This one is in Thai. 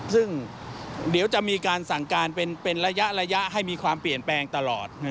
ซึ่งเดี๋ยวจะมีการสั่งการเป็นระยะให้มีความเปลี่ยนแปลงตลอด